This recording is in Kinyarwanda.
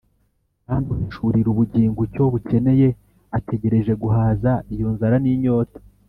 . Kandi uhishurira ubugingo icyo bukeneye ategereje guhaza iyo nzara n’inyota